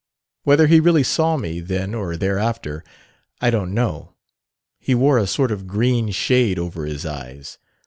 Whether he really saw me, then or thereafter, I don't know; he wore a sort of green shade over his eyes.